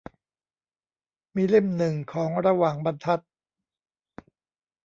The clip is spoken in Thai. มีเล่มหนึ่งของระหว่างบรรทัด